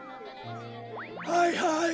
はいはい